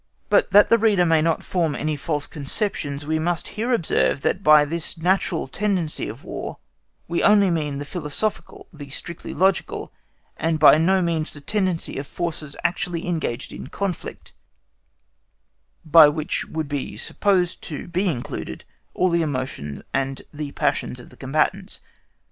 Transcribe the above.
But, that the reader may not form any false conceptions, we must here observe that by this natural tendency of War we only mean the philosophical, the strictly logical, and by no means the tendency of forces actually engaged in conflict, by which would be supposed to be included all the emotions and passions of the combatants.